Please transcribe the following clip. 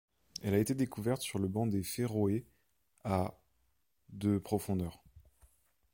Elle a été découverte sur le banc des Féroé à de profondeur.